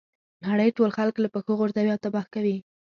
نړۍ ټول خلک له پښو غورځوي او تباه کوي.